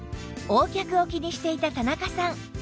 Ｏ 脚を気にしていた田中さん